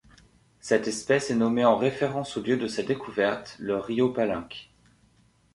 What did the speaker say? Cette espèce est nommée en référence au lieu de sa découverte, le Rio Palenque.